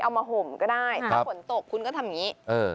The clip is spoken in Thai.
มาห่มก็ได้ถ้าฝนตกคุณก็ทำอย่างนี้